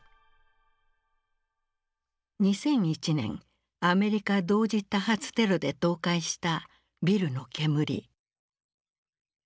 ２００１年アメリカ同時多発テロで倒壊したビルの煙。